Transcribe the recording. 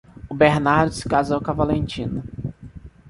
O Bernardo se casou com a Valentina.